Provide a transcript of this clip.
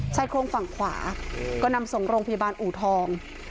ชายโครงฝั่งขวาก็นำส่งโรงพยาบาลอูทอง